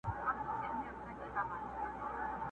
زیارت وتاته نه رسیږي٫